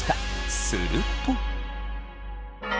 すると。